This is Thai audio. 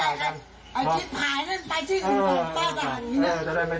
เอาทิศภายนั่นไปที่อื่นก่อนป้าก็อันนี้นะ